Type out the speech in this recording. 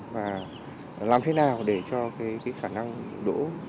và làm thế nào để cho cái khả năng đỗ